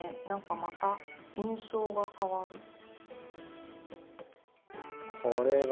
何かまた印象が変わる。